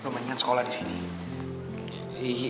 lo mendingan sekolah disini